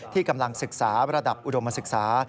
กำลังศึกษาระดับอุดมศึกษา